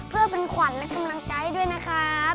เพื่อเป็นขวัญและกำลังใจด้วยนะครับ